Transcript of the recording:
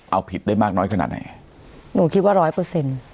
เอาผิดได้มากน้อยขนาดไหนหนูคิดว่าร้อยเปอร์เซ็นต์